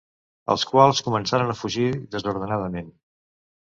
Els quals començaren a fugir desordenadament.